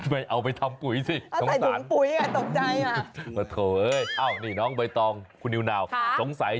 มันบอกว่ายังยังไม่อยากไป